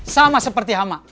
sama seperti hama